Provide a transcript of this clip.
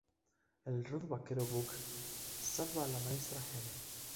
El rudo vaquero Buck salva a la maestra Helen.